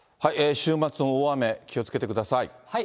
週末の大雨、気をつけてください。